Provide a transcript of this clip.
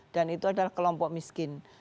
dan itu adalah kelompok miskin